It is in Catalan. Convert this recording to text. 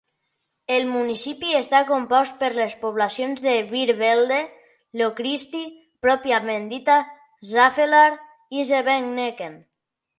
El municipi està compost per les poblacions de Beervelde, Lochristi pròpiament dita, Zaffelare i Zeveneken.